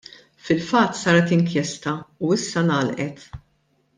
Fil-fatt saret inkjesta u issa ngħalqet.